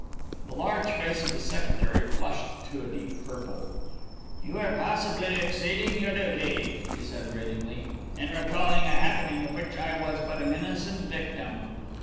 The large face of the secretary flushed to a deep purple. "You are possibly exceeding your duty," he said, gratingly, "in recalling a happening of which I was but an innocent victim."